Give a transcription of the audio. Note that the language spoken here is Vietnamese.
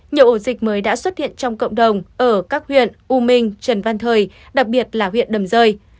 nhiều ổ dịch mới đã xuất hiện trong cộng đồng ở các huyện u minh trần văn thời đặc biệt là huyện đầm rơi